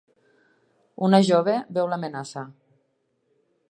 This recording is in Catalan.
Una jove veu l'amenaça.